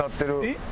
えっ？